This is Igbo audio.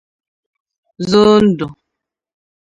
Zọọ Ndụ".